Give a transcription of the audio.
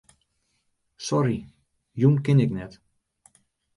Sorry, jûn kin ik net.